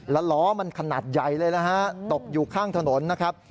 แล้วล้อมันขนาดใหญ่เลยนะฮะตกอยู่ข้างถนนนะครับ